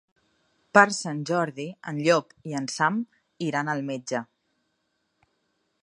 Per Sant Jordi en Llop i en Sam iran al metge.